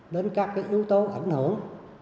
đến các cái yếu tố ảnh hưởng